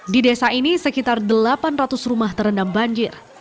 di desa ini sekitar delapan ratus rumah terendam banjir